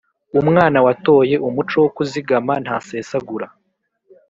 Umwana watoye umuco wo kuzigama, ntasesagura